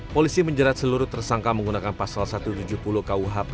polisi menjerat seluruh tersangka menggunakan pasal satu ratus tujuh puluh kuhp